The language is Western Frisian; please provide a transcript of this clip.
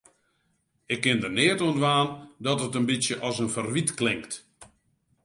Ik kin der neat oan dwaan dat it in bytsje as in ferwyt klinkt.